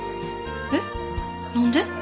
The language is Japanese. えっ何で？